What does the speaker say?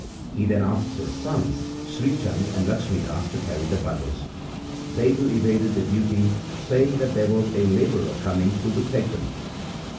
He then asked his sons Sri Chand and Lakhmi Das to carry the bundles. They too evaded the duty, saying that there was a labourer coming who would take them.